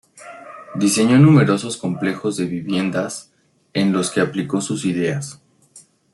Diseñó numerosos complejos de viviendas, en los que aplicó sus ideas.